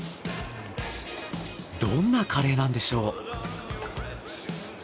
どんなカレーなんでしょう？